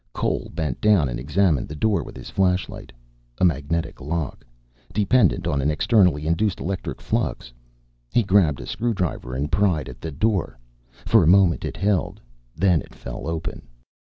Cole bent down and examined the door with his flashlight. A magnetic lock. Dependent on an externally induced electric flux. He grabbed a screwdriver and pried at the door. For a moment it held. Then it fell open.